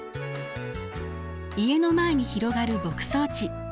家の前に広がる牧草地。